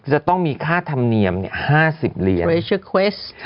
จะต้องมีค่าธรรมเนียม๕๐เหรียญ